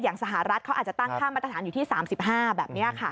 สหรัฐเขาอาจจะตั้งค่ามาตรฐานอยู่ที่๓๕แบบนี้ค่ะ